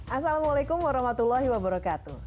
assalamualaikum warahmatullahi wabarakatuh